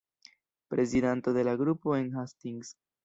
Prezidanto de la grupo en Hastings.